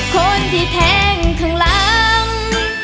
คนที่แทงข้างหลัง